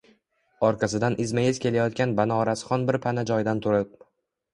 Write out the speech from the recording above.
orqasidan izma-iz kelayotgan Banorasxon bir pana joydan turib: